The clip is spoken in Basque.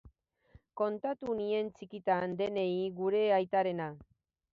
Kontatu nien txikitan, denei, gure aitarena.